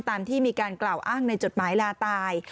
ตามที่มีการกล่าวอ้างในจดหมายลาตาย